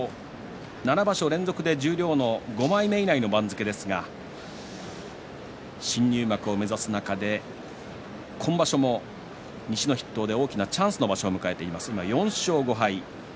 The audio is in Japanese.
７場所連続で十両の５枚目以内の番付ですが新入幕を目指す中で今場所も西の筆頭で大きなチャンスの場所を迎えています、４勝５敗。